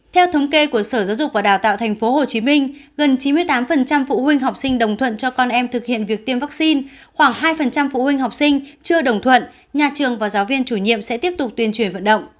theo thống kê của sở giáo dục và đào tạo tp hcm gần chín mươi tám phụ huynh học sinh đồng thuận cho con em thực hiện việc tiêm vaccine khoảng hai phụ huynh học sinh chưa đồng thuận nhà trường và giáo viên chủ nhiệm sẽ tiếp tục tuyên truyền vận động